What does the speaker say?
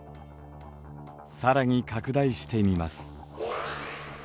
更に拡大してみます。